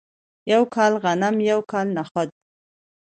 یو کال غنم یو کال نخود.